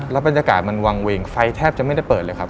บรรยากาศมันวางเวงไฟแทบจะไม่ได้เปิดเลยครับ